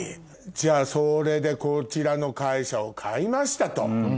じゃあそれでこちらの会社を買いましたと。